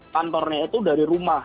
kantornya itu dari rumah